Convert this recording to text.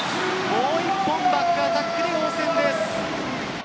もう１本バックアタックで応戦です。